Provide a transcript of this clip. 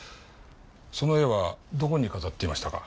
その絵はどこに飾っていましたか？